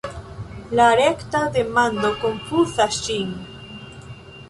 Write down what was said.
La rekta demando konfuzas ŝin.